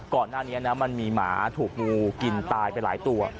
ก่อนหน้านี้นะมันมีหมาถูกงูกินตายไปหลายตัว